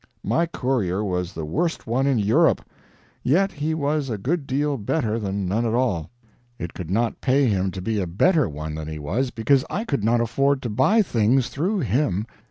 My courier was the worst one in Europe, yet he was a good deal better than none at all. It could not pay him to be a better one than he was, because I could not afford to buy things through him.